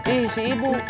ih si ibu